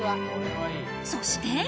そして。